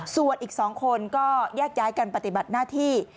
ส่วนอีก๒คนก็แยกย้ายกันปฏิบัติหน้าที่